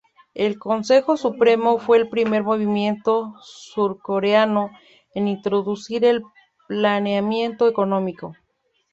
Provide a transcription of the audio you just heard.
El Consejo Supremo fue el primer movimiento surcoreano en introducir el "planeamiento económico".